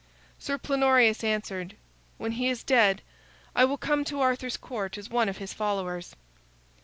Sir Plenorius answered: "When he is dead, I will come to Arthur's Court as one of his followers."